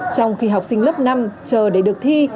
trong khi học sinh lớp năm chờ để được thi